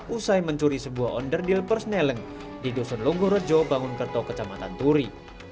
usai mencuri sebuah onderdil persneleng di dosen longgo rejo bangun kerto kecamatan turi